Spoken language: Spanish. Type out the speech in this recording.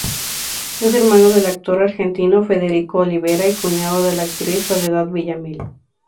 Es hermano del actor argentino Federico Olivera y cuñado de la actriz Soledad Villamil.